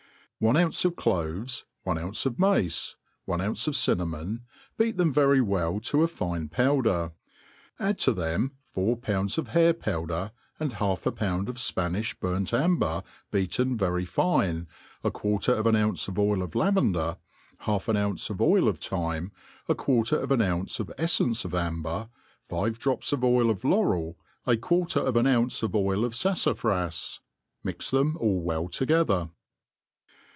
* ONE ounce of cloves, one ounce of mace, one ounce of cinnamon, beat them very well to a fine powder; add to them four pounds of hair powder, and half a pound of Spaniih burnt amber beaten very fine, a quarter of an ounce of oil of laven ,der, half an ounce of oil of thyme, a quarter of an ounce of efience of amber, five drops of oil of laurel, a quarter of aa ounce of oil of faflafras ; mix them all well together.